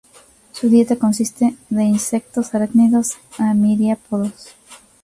Su dieta consiste de insectos, arácnidos y miriápodos.